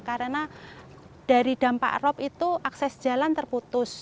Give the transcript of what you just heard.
karena dari dampak rop itu akses jalan terputus